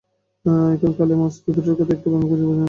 এখন খালে মাছ তো দূরের কথা, একটি ব্যাঙও খুঁজে পাওয়া যাবে না।